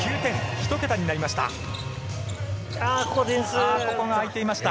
ひと桁になりました。